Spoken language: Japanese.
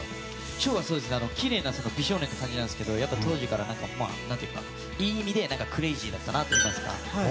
紫耀はきれいな美少年という感じなんですけど当時から、いい意味でクレイジーだったなというか。